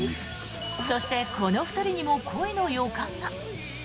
そして、この２人にも恋の予感が。